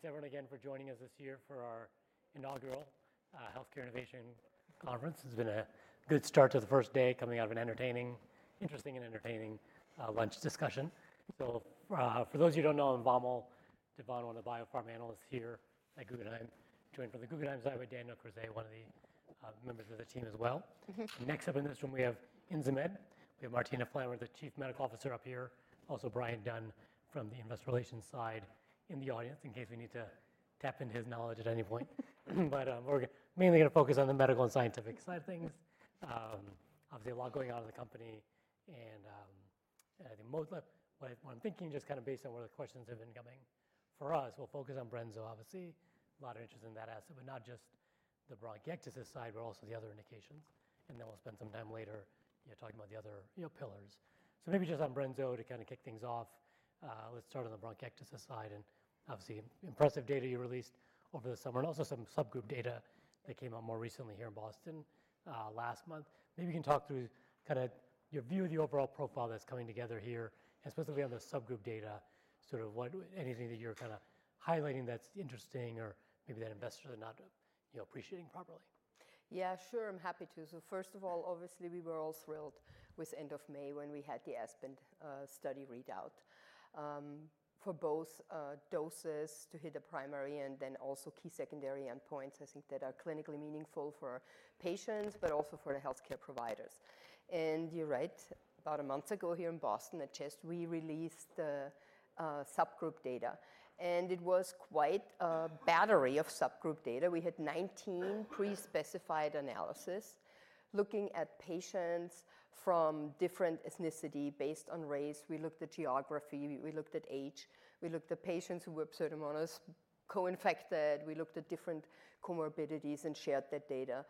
Thanks, everyone, again for joining us this year for our inaugural Healthcare innovation conference. It's been a good start to the first day coming out of an entertaining, interesting, and entertaining lunch discussion. So for those of you who don't know, I'm Vamil Divan, one of the biopharma analysts here at Guggenheim. Joining from the Guggenheim side, we have Daniel Crozier, one of the members of the team as well. Next up in this room, we have Insmed. We have Martina Flammer, the Chief Medical Officer up here. Also, Brian Dunn from the investor relations side in the audience in case we need to tap into his knowledge at any point. But we're mainly going to focus on the medical and scientific side of things. Obviously, a lot going on in the company. And I think what I'm thinking, just kind of based on where the questions have been coming for us, we'll focus on Brenzo, obviously. A lot of interest in that asset, but not just the bronchiectasis side, but also the other indications. And then we'll spend some time later talking about the other pillars. So maybe just on Brenzo to kind of kick things off, let's start on the bronchiectasis side. And obviously, impressive data you released over the summer and also some subgroup data that came out more recently here in Boston last month. Maybe you can talk through kind of your view of the overall profile that's coming together here, especially on the subgroup data, sort of anything that you're kind of highlighting that's interesting or maybe that investors are not appreciating properly. Yeah, sure. I'm happy to. So first of all, obviously, we were all thrilled with end of May when we had the ASPEN study readout for both doses to hit the primary and then also key secondary endpoints, I think, that are clinically meaningful for patients, but also for the healthcare providers, and you're right, about a month ago here in Boston, at CHEST, we released subgroup data, and it was quite a battery of subgroup data. We had 19 pre-specified analyses looking at patients from different ethnicity based on race. We looked at geography. We looked at age. We looked at patients who were Pseudomonas co-infected. We looked at different comorbidities and shared that data.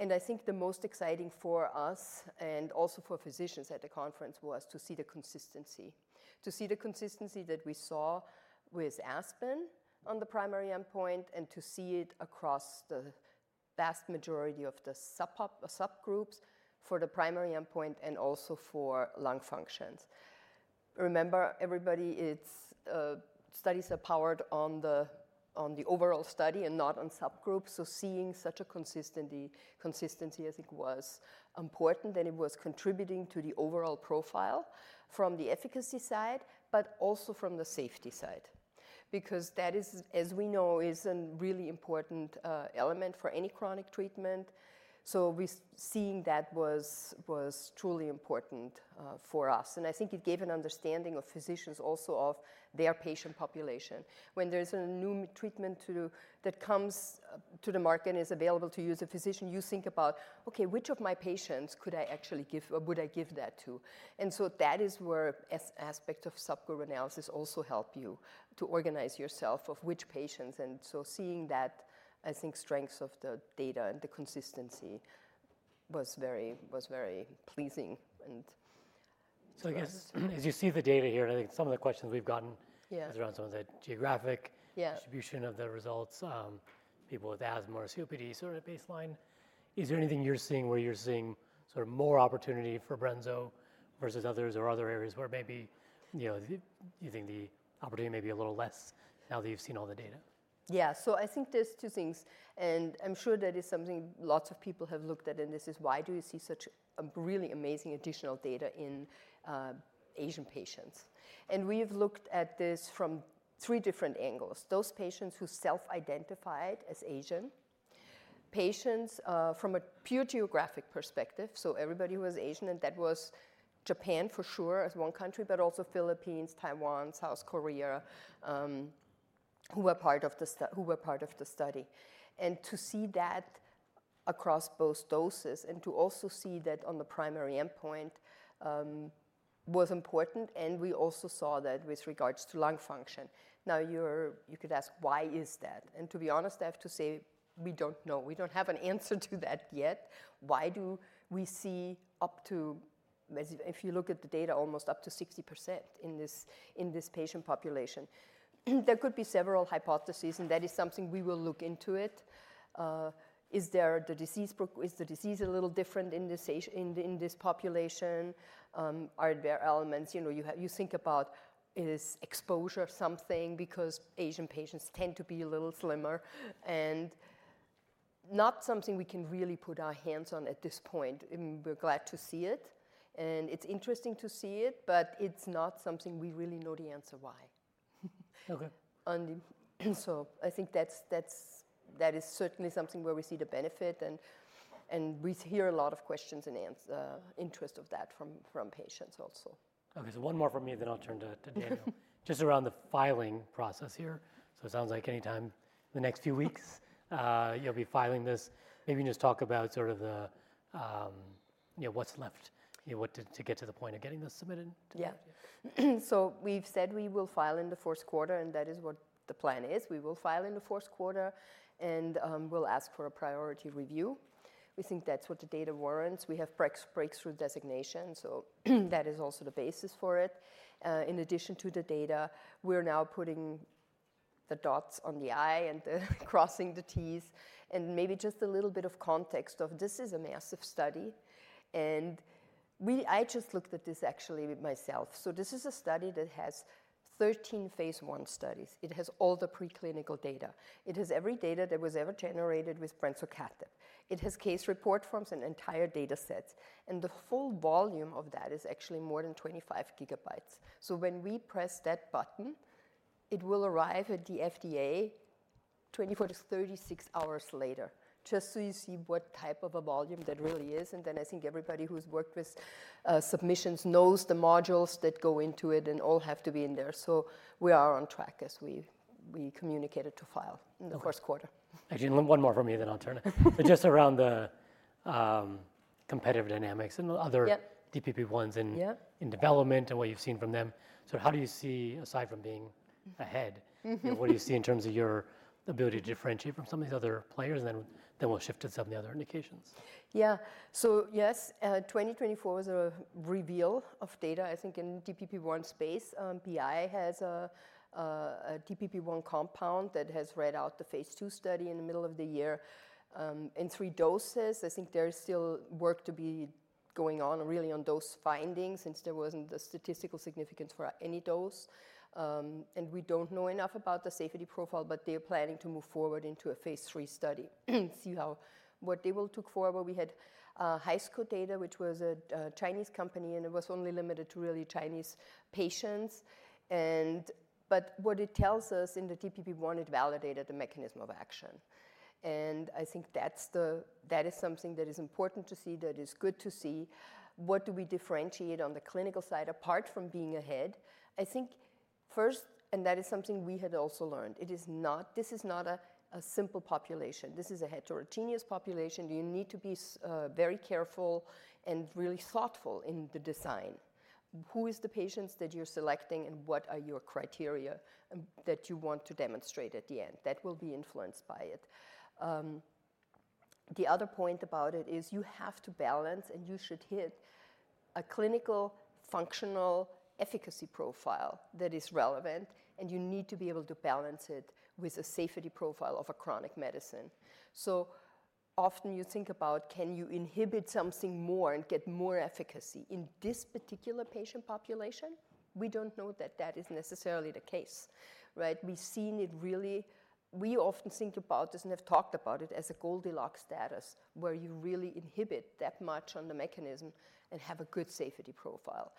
I think the most exciting for us and also for physicians at the conference was to see the consistency, to see the consistency that we saw with ASPEN on the primary endpoint and to see it across the vast majority of the subgroups for the primary endpoint and also for lung functions. Remember, everybody, studies are powered on the overall study and not on subgroups. Seeing such a consistency, I think, was important. It was contributing to the overall profile from the efficacy side, but also from the safety side, because that, as we know, is a really important element for any chronic treatment. Seeing that was truly important for us. I think it gave an understanding of physicians also of their patient population. When there's a new treatment that comes to the market and is available to use a physician, you think about, "Okay, which of my patients could I actually give or would I give that to?" And so that is where aspects of subgroup analysis also help you to organize yourself of which patients. And so seeing that, I think, strengths of the data and the consistency was very pleasing. So I guess, as you see the data here, I think some of the questions we've gotten is around some of the geographic distribution of the results, people with asthma or COPD, sort of baseline. Is there anything you're seeing where you're seeing sort of more opportunity for Brenzo versus others or other areas where maybe you think the opportunity may be a little less now that you've seen all the data? Yeah, so I think there's two things. And I'm sure that is something lots of people have looked at. And this is why do you see such really amazing additional data in Asian patients? And we have looked at this from three different angles. Those patients who self-identified as Asian, patients from a pure geographic perspective, so everybody who was Asian, and that was Japan for sure as one country, but also Philippines, Taiwan, South Korea, who were part of the study. And to see that across both doses and to also see that on the primary endpoint was important. And we also saw that with regards to lung function. Now, you could ask, why is that? And to be honest, I have to say, we don't know. We don't have an answer to that yet. Why do we see up to, if you look at the data, almost up to 60% in this patient population? There could be several hypotheses, and that is something we will look into. Is the disease a little different in this population? Are there elements you think about? Is exposure something? Because Asian patients tend to be a little slimmer and not something we can really put our hands on at this point. We're glad to see it. And it's interesting to see it, but it's not something we really know the answer why. So I think that is certainly something where we see the benefit. And we hear a lot of questions and interest of that from patients also. Okay, so one more from me, then I'll turn to Daniel. Just around the filing process here. So it sounds like anytime in the next few weeks, you'll be filing this. Maybe you can just talk about sort of what's left, what to get to the point of getting this submitted. Yeah. So we've said we will file in the first quarter, and that is what the plan is. We will file in the first quarter, and we'll ask for a priority review. We think that's what the data warrants. We have breakthrough designation, so that is also the basis for it. In addition to the data, we're now putting the dots on the i and crossing the t's, and maybe just a little bit of context of this is a massive study, and I just looked at this actually myself. So this is a study that has 13 phase one studies. It has all the preclinical data. It has every data that was ever generated with brensocatib. It has case report forms and entire data sets, and the full volume of that is actually more than 25 gigabytes. So when we press that button, it will arrive at the FDA 24-36 hours later, just so you see what type of a volume that really is. And then I think everybody who's worked with submissions knows the modules that go into it and all have to be in there. So we are on track as we communicate it to file in the first quarter. Actually, one more from me, then I'll turn. Just around the competitive dynamics and other DPP1s in development and what you've seen from them. So how do you see, aside from being ahead, what do you see in terms of your ability to differentiate from some of these other players? And then we'll shift to some of the other indications. Yeah, so yes, 2024 was a reveal of data. I think in DPP1 space, BI has a DPP1 compound that has read out the phase II study in the middle of the year in three doses. I think there is still work to be going on really on those findings since there wasn't the statistical significance for any dose, and we don't know enough about the safety profile, but they're planning to move forward into a phase III study, see what they will look for, but we had Haisco data, which was a Chinese company, and it was only limited to really Chinese patients, but what it tells us in the DPP1, it validated the mechanism of action, and I think that is something that is important to see, that is good to see. What do we differentiate on the clinical side apart from being ahead? I think first, and that is something we had also learned, this is not a simple population. This is a heterogeneous population. You need to be very careful and really thoughtful in the design. Who is the patients that you're selecting and what are your criteria that you want to demonstrate at the end? That will be influenced by it. The other point about it is you have to balance, and you should hit a clinical functional efficacy profile that is relevant, and you need to be able to balance it with a safety profile of a chronic medicine. So often you think about, can you inhibit something more and get more efficacy in this particular patient population? We don't know that that is necessarily the case. We've seen it really, we often think about this and have talked about it as a Goldilocks status where you really inhibit that much on the mechanism and have a good safety profile.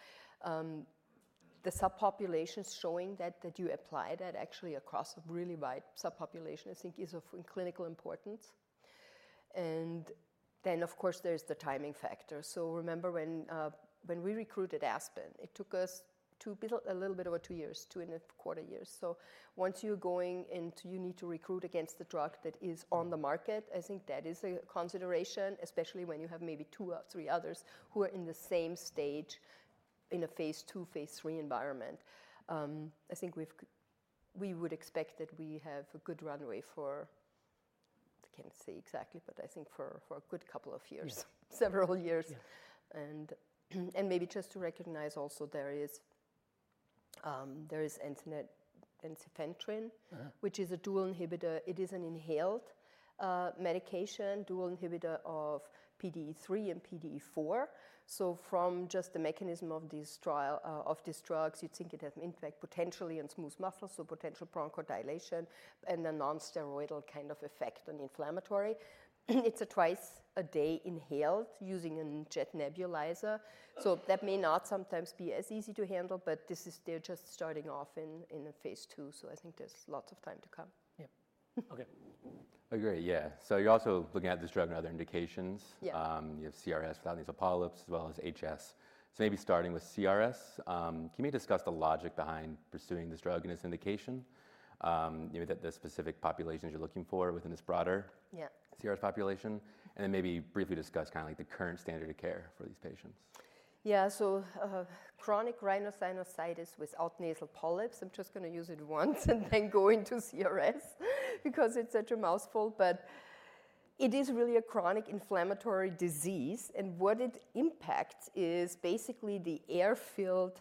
The subpopulations showing that you apply that actually across a really wide subpopulation, I think, is of clinical importance, and then, of course, there's the timing factor, so remember when we recruited ASPEN, it took us a little bit over two years, two and a quarter years, so once you're going into, you need to recruit against the drug that is on the market. I think that is a consideration, especially when you have maybe two or three others who are in the same stage in a phase II, phase III environment. I think we would expect that we have a good runway for. I can't say exactly, but I think for a good couple of years, several years, and maybe just to recognize also there is ensifentrine, which is a dual inhibitor. It is an inhaled medication, dual inhibitor of PDE3 and PDE4. So from just the mechanism of these drugs, you'd think it has an impact potentially on smooth muscle, so potential bronchodilation and a nonsteroidal kind of effect on inflammation. It's a twice a day inhaled using a jet nebulizer. So that may not sometimes be as easy to handle, but this is, they're just starting off in phase II. So I think there's lots of time to come. Yeah. Okay. Agree. Yeah. So you're also looking at this drug and other indications. You have CRS without nasal polyps, as well as HS. So maybe starting with CRS, can you maybe discuss the logic behind pursuing this drug in this indication, the specific populations you're looking for within this broader CRS population? And then maybe briefly discuss kind of like the current standard of care for these patients. Yeah, so chronic rhinosinusitis without nasal polyps. I'm just going to use it once and then go into CRS because it's such a mouthful, but it is really a chronic inflammatory disease, and what it impacts is basically the air-filled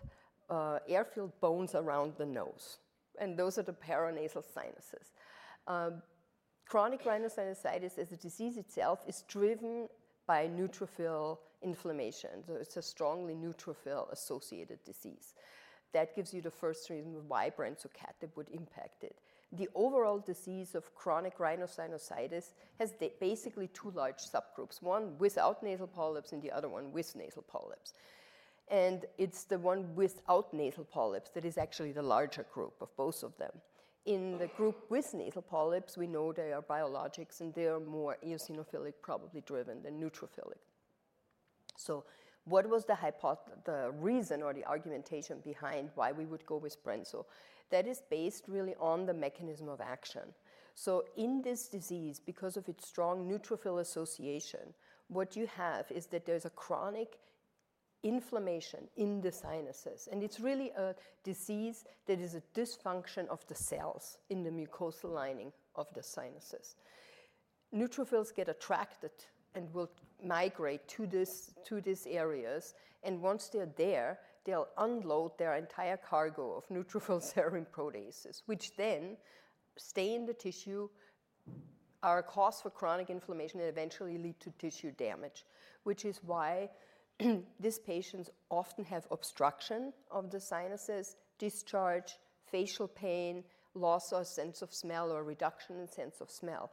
bones around the nose, and those are the paranasal sinuses. Chronic rhinosinusitis as a disease itself is driven by neutrophil inflammation, so it's a strongly neutrophil-associated disease. That gives you the first reason why brensocatib would impact it. The overall disease of chronic rhinosinusitis has basically two large subgroups, one without nasal polyps and the other one with nasal polyps, and it's the one without nasal polyps that is actually the larger group of both of them. In the group with nasal polyps, we know they are biologics and they are more eosinophilic probably driven than neutrophilic. What was the reason or the argumentation behind why we would go with Brenzo? That is based really on the mechanism of action. In this disease, because of its strong neutrophil association, what you have is that there's a chronic inflammation in the sinuses. It's really a disease that is a dysfunction of the cells in the mucosal lining of the sinuses. Neutrophils get attracted and will migrate to these areas. Once they're there, they'll unload their entire cargo of neutrophil serine proteases, which then stay in the tissue, are a cause for chronic inflammation, and eventually lead to tissue damage, which is why these patients often have obstruction of the sinuses, discharge, facial pain, loss of sense of smell, or reduction in sense of smell.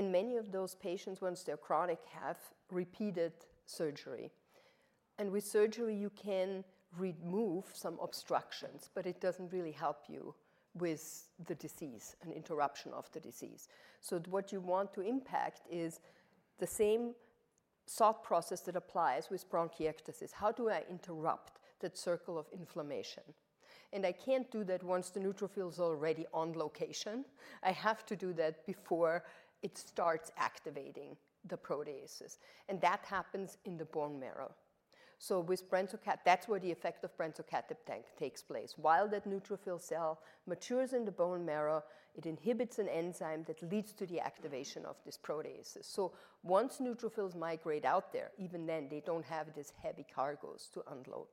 Many of those patients, once they're chronic, have repeated surgery. With surgery, you can remove some obstructions, but it doesn't really help you with the disease, an interruption of the disease. What you want to impact is the same thought process that applies with bronchiectasis. How do I interrupt that circle of inflammation? I can't do that once the neutrophil is already on location. I have to do that before it starts activating the proteases. That happens in the bone marrow. With brensocatib, that's where the effect of brensocatib takes place. While that neutrophil cell matures in the bone marrow, it inhibits an enzyme that leads to the activation of this proteases. Once neutrophils migrate out there, even then they don't have these heavy cargoes to unload.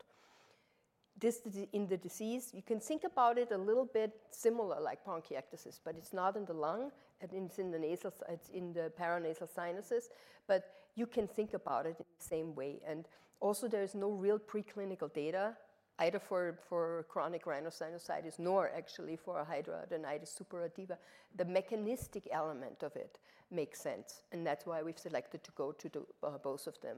In the disease, you can think about it a little bit similar like bronchiectasis, but it's not in the lung. It's in the paranasal sinuses, but you can think about it in the same way. And also, there is no real preclinical data, either for chronic rhinosinusitis nor actually for hidradenitis suppurativa. The mechanistic element of it makes sense. And that's why we've selected to go to both of them.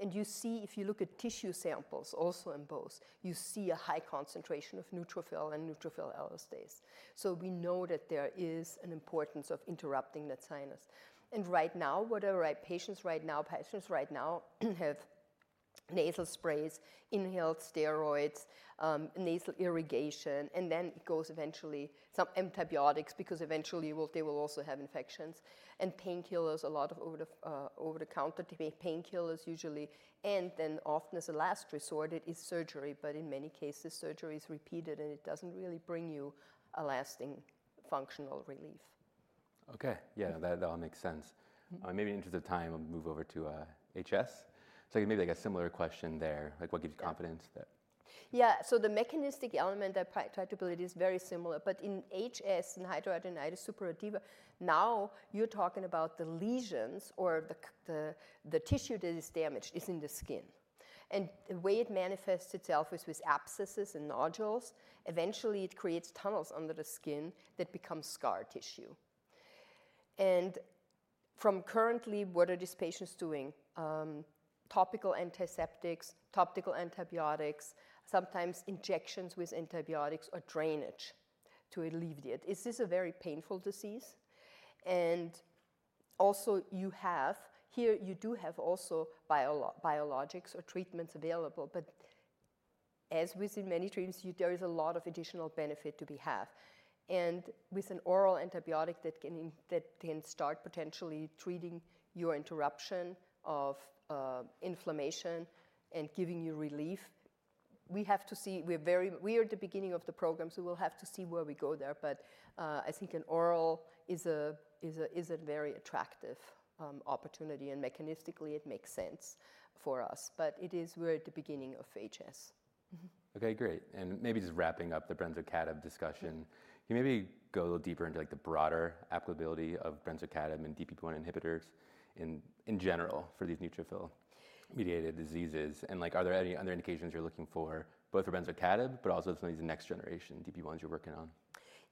And you see, if you look at tissue samples also in both, you see a high concentration of neutrophils and neutrophil elastase. So we know that there is an importance of interrupting that cycle. And right now, patients right now have nasal sprays, inhaled steroids, nasal irrigation, and then it goes eventually some antibiotics because eventually they will also have infections and painkillers, a lot of over-the-counter painkillers usually. And then often as a last resort, it is surgery, but in many cases, surgery is repeated and it doesn't really bring you a lasting functional relief. Okay. Yeah, that all makes sense. Maybe in the interest of time, I'll move over to HS. So maybe like a similar question there, like what gives you confidence that? Yeah, so the mechanistic element that I tried to build is very similar, but in HS and hidradenitis suppurativa, now you're talking about the lesions or the tissue that is damaged is in the skin. And the way it manifests itself is with abscesses and nodules. Eventually, it creates tunnels under the skin that become scar tissue. And currently, what are these patients doing? Topical antiseptics, topical antibiotics, sometimes injections with antibiotics or drainage to alleviate. Is this a very painful disease? And also you have here, you do have also biologics or treatments available, but as with many treatments, there is a lot of additional benefit to be had. And with an oral antibiotic that can start potentially treating your interruption of inflammation and giving you relief, we have to see, we are at the beginning of the program, so we'll have to see where we go there. But I think an oral is a very attractive opportunity and mechanistically it makes sense for us, but we're at the beginning of HS. Okay, great. And maybe just wrapping up the brensocatib discussion, can you maybe go a little deeper into the broader applicability of brensocatib and DPP1 inhibitors in general for these neutrophil-mediated diseases? And are there any other indications you're looking for both for brensocatib, but also some of these next generation DPP1s you're working on?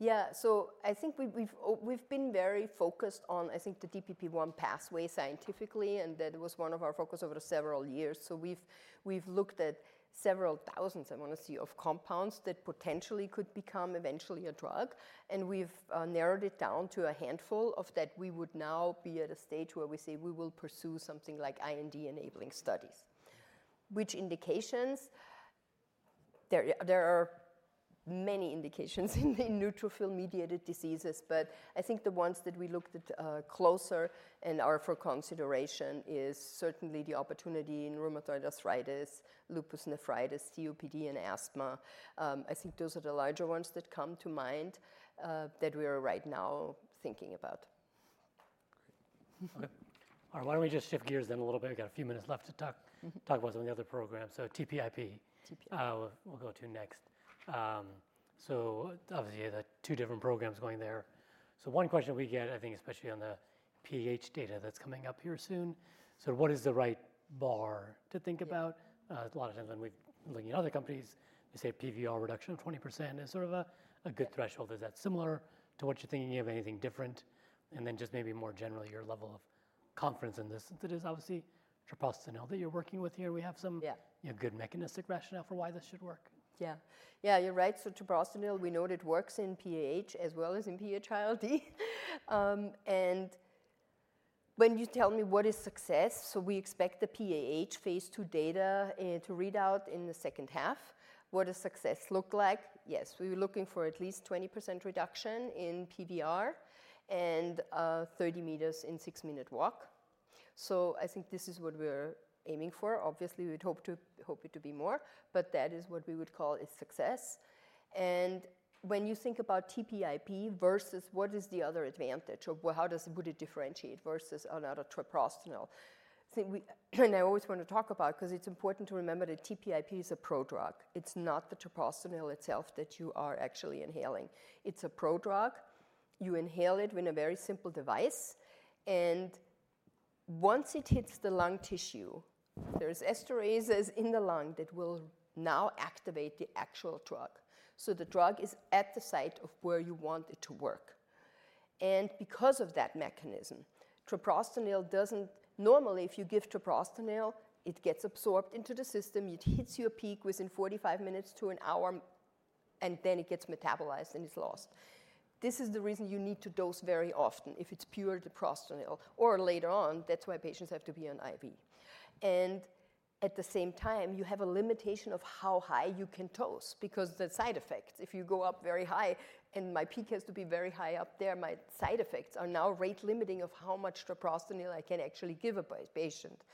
Yeah, so I think we've been very focused on, I think, the DPP1 pathway scientifically, and that was one of our focus over several years, so we've looked at several thousands, I want to say, of compounds that potentially could become eventually a drug, and we've narrowed it down to a handful of that we would now be at a stage where we say we will pursue something like IND enabling studies. Which indications? There are many indications in neutrophil-mediated diseases, but I think the ones that we looked at closer and are for consideration is certainly the opportunity in rheumatoid arthritis, lupus nephritis, COPD, and asthma. I think those are the larger ones that come to mind that we are right now thinking about. All right, why don't we just shift gears then a little bit? We've got a few minutes left to talk about some of the other programs, so TPIP, we'll go to next, so obviously the two different programs going there, so one question we get, I think especially on the PH data that's coming up here soon, so what is the right bar to think about? A lot of times when we're looking at other companies, we say PVR reduction of 20% is sort of a good threshold. Is that similar to what you're thinking of? Anything different? And then just maybe more generally your level of confidence in this, that is obviously treprostinil that you're working with here. We have some good mechanistic rationale for why this should work. Yeah. Yeah, you're right. So treprostinil, we know it works in PAH as well as in PH-ILD. And when you tell me what is success, so we expect the PAH phase II data to read out in the second half. What does success look like? Yes, we're looking for at least 20% reduction in PVR and 30 meters in six-minute walk. So I think this is what we're aiming for. Obviously, we'd hope it to be more, but that is what we would call is success. And when you think about TPIP versus what is the other advantage or how does it differentiate versus another treprostinil? And I always want to talk about, because it's important to remember that TPIP is a pro-drug. It's not the treprostinil itself that you are actually inhaling. It's a pro-drug. You inhale it with a very simple device. Once it hits the lung tissue, there's esterases in the lung that will now activate the actual drug. So the drug is at the site of where you want it to work. Because of that mechanism, treprostinil doesn't normally, if you give treprostinil, it gets absorbed into the system. It hits your peak within 45 minutes to an hour, and then it gets metabolized and it's lost. This is the reason you need to dose very often if it's pure treprostinil. Later on, that's why patients have to be on IV. At the same time, you have a limitation of how high you can dose because the side effects, if you go up very high and my peak has to be very high up there, my side effects are now rate limiting of how much treprostinil I can actually give a patient.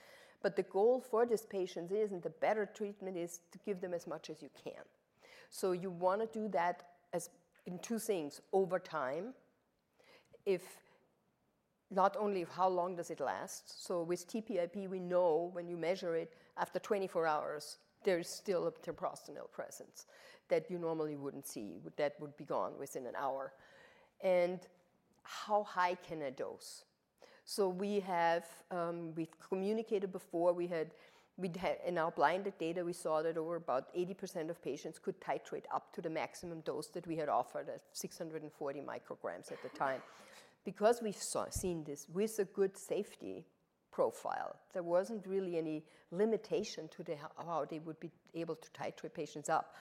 But the goal for these patients isn't. The better treatment is to give them as much as you can. So you want to do that in two things over time. Not only how long does it last. So with TPIP, we know when you measure it after 24 hours, there's still a treprostinil presence that you normally wouldn't see. That would be gone within an hour. And how high can I dose? So we have communicated before. We had in our blinded data we saw that over about 80% of patients could titrate up to the maximum dose that we had offered at 640 micrograms at the time. Because we've seen this with a good safety profile, there wasn't really any limitation to how they would be able to titrate patients up.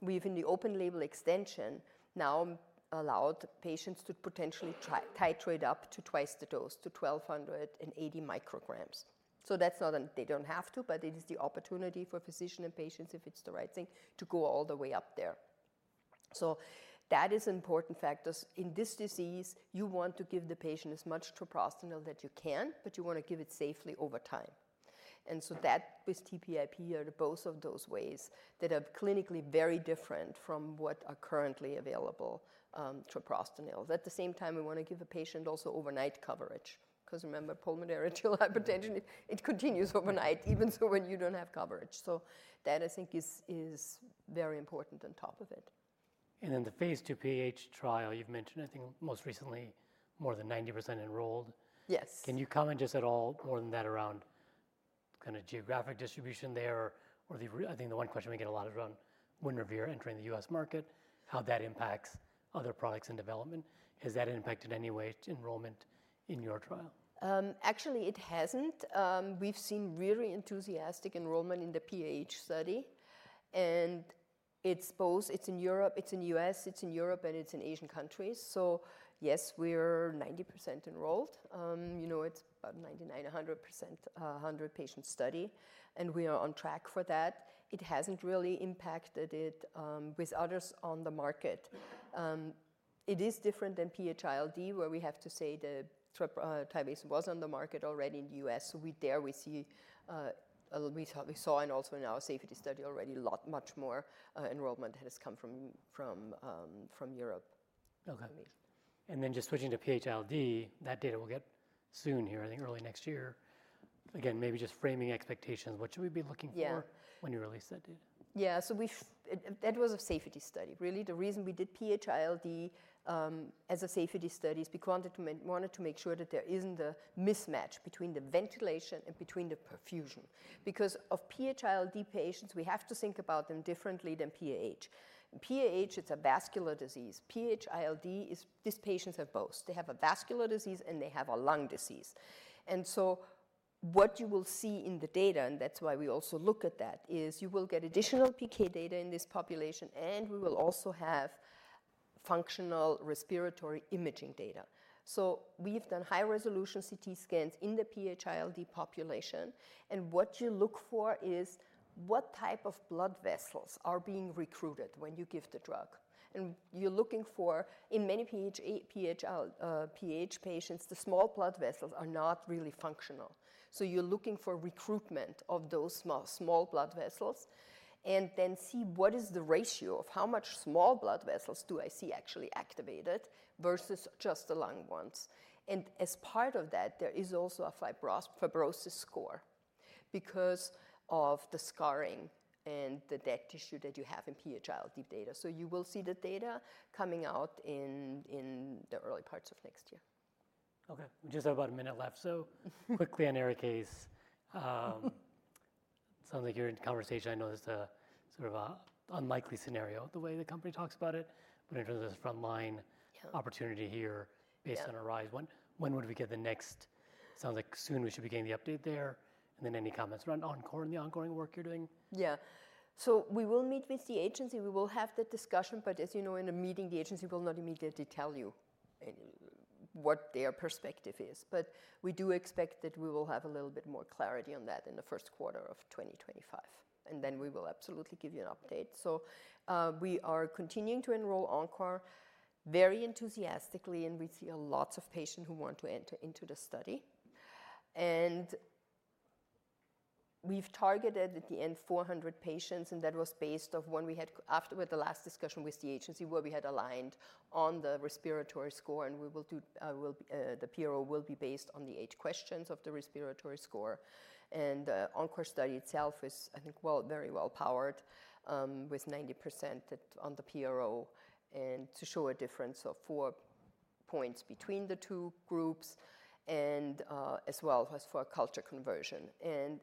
We're in the open label extension now [and we've] allowed patients to potentially titrate up to twice the dose to 1280 micrograms. So that's not that they don't have to, but it is the opportunity for physician and patients if it's the right thing to go all the way up there. So that is important factors. In this disease, you want to give the patient as much treprostinil that you can, but you want to give it safely over time. And so that with TPIP are both of those ways that are clinically very different from what are currently available treprostinils. At the same time, we want to give a patient also overnight coverage because remember pulmonary arterial hypertension, it continues overnight even so when you don't have coverage. So that I think is very important on top of it. In the phase 2 PAH trial, you've mentioned I think most recently more than 90% enrolled. Yes. Can you comment just at all more than that around kind of geographic distribution there? Or I think the one question we get a lot around when Winrevair entering the U.S. market, how that impacts other products in development. Has that impacted any way enrollment in your trial? Actually, it hasn't. We've seen really enthusiastic enrollment in the PAH study, and it's both, it's in Europe, it's in the US, it's in Europe, and it's in Asian countries, so yes, we're 90% enrolled. You know, it's about 99-100%, 100-patient study, and we are on track for that. It hasn't really impacted it with others on the market. It is different than PH-ILD where we have to say the Tyvaso was on the market already in the US, so there we see, we saw and also in our safety study already a lot much more enrollment has come from Europe. Okay. And then, just switching to PH-ILD, that data will get soon here, I think early next year. Again, maybe just framing expectations, what should we be looking for when you release that data? Yeah, so that was a safety study. Really, the reason we did PH-ILD as a safety study is we wanted to make sure that there isn't a mismatch between the ventilation and between the perfusion. Because of PH-ILD patients, we have to think about them differently than PAH. PAH, it's a vascular disease. PH-ILD, these patients have both. They have a vascular disease and they have a lung disease, and so what you will see in the data, and that's why we also look at that, is you will get additional PK data in this population, and we will also have functional respiratory imaging data, so we've done high resolution CT scans in the PH-ILD population, and what you look for is what type of blood vessels are being recruited when you give the drug. And you're looking for, in many PH patients, the small blood vessels are not really functional. So you're looking for recruitment of those small blood vessels and then see what is the ratio of how much small blood vessels do I see actually activated versus just the large ones. And as part of that, there is also a fibrosis score because of the scarring and the dead tissue that you have in PH-ILD data. So you will see the data coming out in the early parts of next year. Okay, we just have about a minute left. So quickly on Arikayce, it sounds like you're in conversation. I know there's a sort of unlikely scenario the way the company talks about it, but in terms of the frontline opportunity here based on ARISE, when would we get the next? Sounds like soon we should be getting the update there. And then any comments around the ongoing work you're doing? Yeah. So we will meet with the agency. We will have the discussion, but as you know, in a meeting, the agency will not immediately tell you what their perspective is. But we do expect that we will have a little bit more clarity on that in the first quarter of 2025. And then we will absolutely give you an update. So we are continuing to enroll ENCORE very enthusiastically, and we see lots of patients who want to enter into the study. And we've targeted at the end 400 patients, and that was based off when we had after the last discussion with the agency where we had aligned on the respiratory score. And we will do the PRO will be based on the eight questions of the respiratory score. The ENCORE study itself is, I think, very well powered with 90% on the PRO and to show a difference of four points between the two groups and as well as for culture conversion.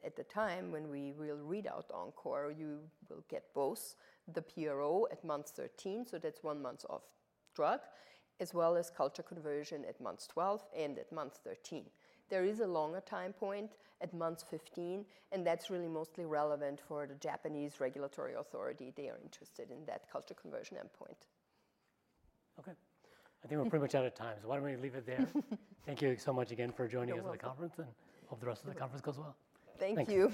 At the time when we will read out ENCORE, you will get both the PRO at month 13, so that's one month off drug, as well as culture conversion at month 12 and at month 13. There is a longer time point at month 15, and that's really mostly relevant for the Japanese regulatory authority. They are interested in that culture conversion endpoint. Okay. I think we're pretty much out of time. So why don't we leave it there? Thank you so much again for joining us at the conference and hope the rest of the conference goes well. Thank you.